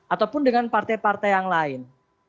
ataupun dengan partai partai yang lain